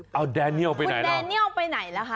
เออเอาแดเนียลไปไหนแล้ว